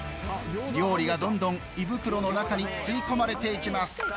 料理がどんどん胃袋の中に吸い込まれていきます。